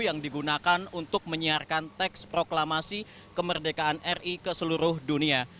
yang digunakan untuk menyiarkan teks proklamasi kemerdekaan ri ke seluruh dunia